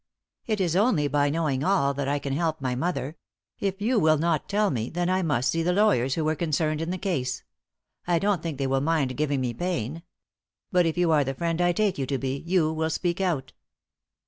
It is only by knowing all that I can help my mother. If you will not tell me, then I must see the lawyers who were concerned in the case. I don't think they will mind giving me pain. But if you are the friend I take you to be, you will speak out."